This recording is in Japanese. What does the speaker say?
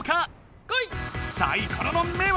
サイコロの目は？